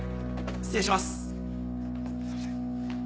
失礼します！